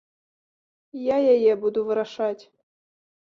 Я яе буду вырашаць.